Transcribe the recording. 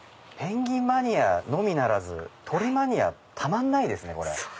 ペンギンマニアのみならず鳥マニアたまんないですね。